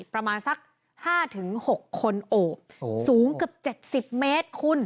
ประมาณสัก๕๖คนโอบสูงเกือบ๗๐เมตรคุณ